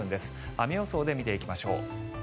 雨予想で見ていきましょう。